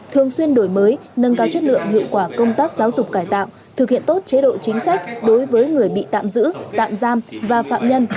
thường xuyên đổi mới nâng cao chất lượng hiệu quả công tác giáo dục cải tạo thực hiện tốt chế độ chính sách đối với người bị tạm giữ tạm giam và phạm nhân